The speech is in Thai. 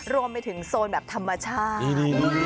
รวมไปถึงโซนแบบธรรมชาติ